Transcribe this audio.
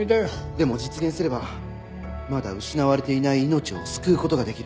でも実現すればまだ失われていない命を救うことができる